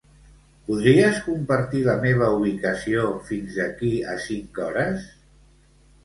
Podries compartir la meva ubicació fins d'aquí a cinc hores?